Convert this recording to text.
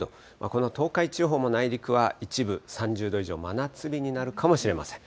この東海地方も内陸は、一部３０度以上、真夏日になるかもしれません。